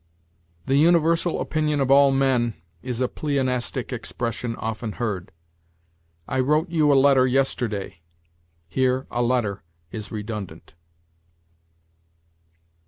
"The universal opinion of all men" is a pleonastic expression often heard. "I wrote you a letter yesterday": here a letter is redundant.